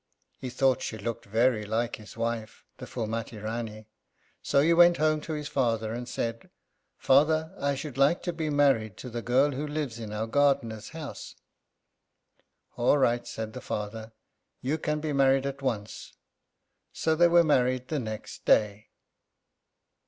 He thought she looked very like his wife, the Phúlmati Rání. So he went home to his father and said, "Father, I should like to be married to the girl who lives in our gardener's house." "All right," said the father; "you can be married at once." So they were married the next day.